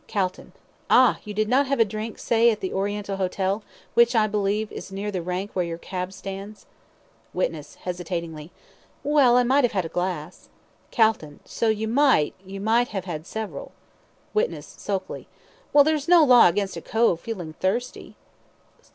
CALTON: Ah! You did not have a drink, say at the Oriental Hotel, which, I believe, is near the rank where your cab stands? WITNESS (hesitating): Well, I might have had a glass. CALTON: So you might; you might have had several. WITNESS (sulkily): Well, there's no law against a cove feeling thirsty.